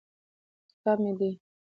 کتاب مې دی.